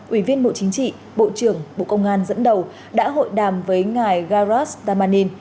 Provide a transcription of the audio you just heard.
ủy viên bộ chính trị bộ trưởng bộ công an dẫn đầu đã hội đàm với ngài gareth damanin